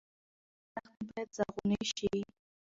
دښتې باید زرغونې شي.